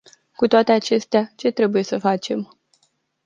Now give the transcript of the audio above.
Cu toate acestea, ce trebuie să facem?